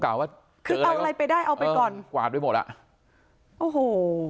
เอาไปก่อนกวาดทุกครับมาหมดละโอ้โห